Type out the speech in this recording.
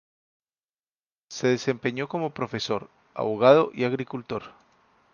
Se desempeñó como profesor, abogado y agricultor.